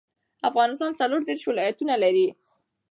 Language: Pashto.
افغانستان څلور دیرش ولايتونه لري